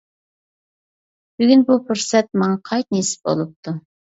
بۈگۈن بۇ پۇرسەت ماڭا قايتا نېسىپ بولۇپتۇ.